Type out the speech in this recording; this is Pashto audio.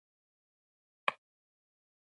نوکان د کیراټین څخه جوړ شوي دي